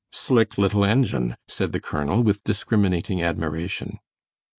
"Slick little engine," said the colonel, with discriminating admiration.